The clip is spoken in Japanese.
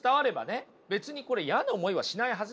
別にこれ嫌な思いはしないはずなんですよ。